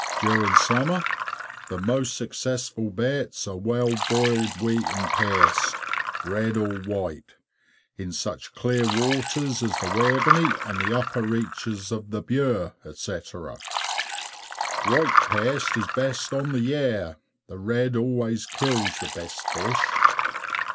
During summer the most successful baits are well boiled wheat and paste, red or white, in such clear waters as the Waveney and the upper reaches of Bure, etc. White paste is best on the Yare, the red always kills the best fish.